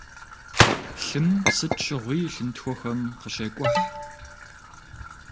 Лъым сыт щыгъуи лъынтхуэхэм къыщекӀухь.